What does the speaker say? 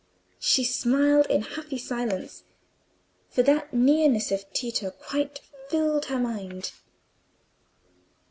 She smiled in happy silence, for that nearness of Tito quite filled her mind.